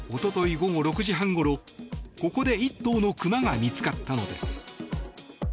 午後６時半ごろここで１頭の熊が見つかったのです。